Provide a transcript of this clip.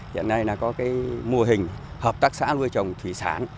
hiện nay có mô hình hợp tác xã ngươi trồng thủy sản